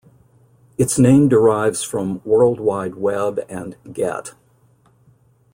Its name derives from "World Wide Web" and "get".